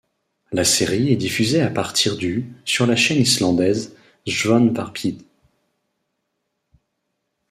La série est diffusée à partir du sur la chaîne islandaise Sjónvarpið.